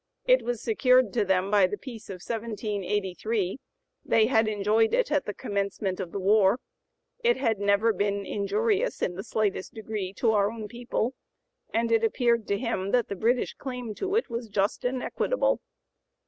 It was secured to them by the peace of 1783, they had enjoyed it at the commencement of the war, it had never been injurious in the slightest degree to our own people, and it appeared to [him] that the British claim to it was just and equitable."